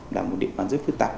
là một địa bàn rất phức tạp